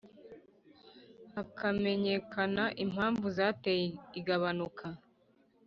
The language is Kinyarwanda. hakamenyekana impamvu zateye igabanuka.